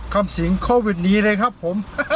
คำสิงโควิดดีเลยครับผม